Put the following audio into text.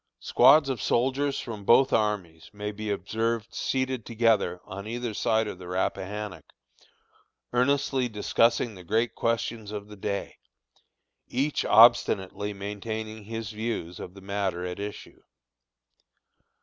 Squads of soldiers from both armies may be observed seated together on either side of the Rappahannock, earnestly discussing the great questions of the day, each obstinately maintaining his views of the matters at issue.